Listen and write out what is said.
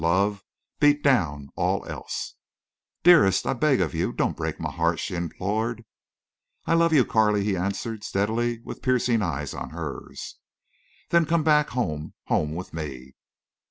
Love beat down all else. "Dearest—I beg of you—don't break my heart," she implored. "I love you, Carley," he answered, steadily, with piercing eyes on hers. "Then come back—home—home with me."